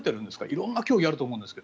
色んな競技があると思いますが。